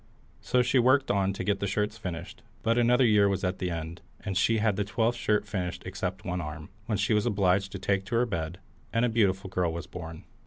So she worked on to get the shirts finished, but another year was at an end, and she had the twelfth shirt finished except one arm, when she was obliged to take to her bed, and a beautiful girl was born.